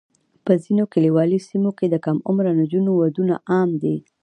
په ځینو کلیوالي سیمو کې د کم عمره نجونو ودونه عام دي.